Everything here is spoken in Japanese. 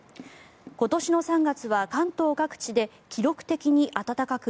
今年の３月は関東各地で記録的に暖かく